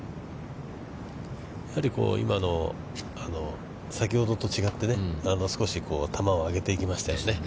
やはり、今のは先ほどと違ってね、少し球を上げていきましたよね。